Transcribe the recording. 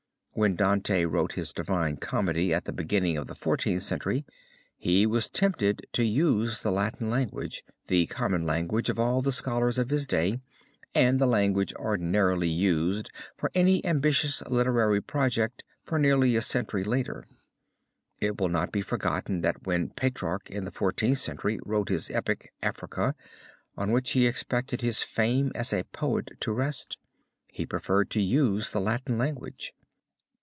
When Dante wrote his Divine Comedy at the beginning of the Fourteenth Century, he was tempted to use the Latin language, the common language of all the scholars of his day, and the language ordinarily used for any ambitious literary project for nearly a century later. It will not be forgotten that when Petrarch in the Fourteenth Century wrote his epic, Africa, on which he expected his fame as a poet to rest, he preferred to use the Latin language.